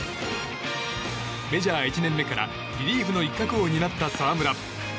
メジャー１年目からリリーフの一角を担った澤村。